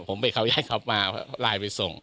ผมไปเขาแย่งเขามาไลน์ไปส่ง